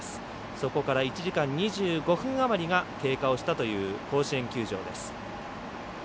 そこから１時間２５分あまりが経過をしたという甲子園球場です。